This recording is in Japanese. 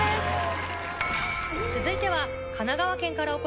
続いては。